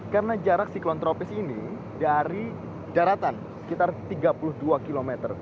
karena jarak siklon tropis ini dari daratan sekitar tiga puluh dua km